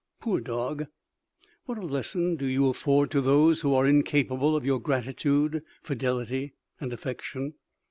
Poor dog! what a lesson do you afford to those who are incapable of your gratitude, fidelity, and affection!